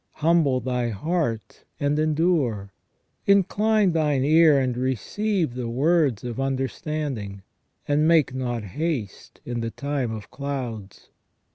Humble thy heart and endure : incline thine ear and receive the words of understanding: and make not haste in the time of clouds.